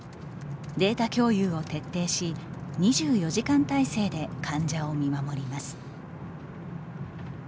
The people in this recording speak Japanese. データ共有を徹底し２４時間体制で患者を見守ります。